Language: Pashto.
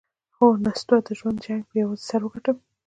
هو، نستوه د ژوند جنګ پهٔ یوازې سر وګاټهٔ!